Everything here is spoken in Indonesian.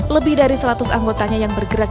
lebih dari seratus anggotanya yang bergerak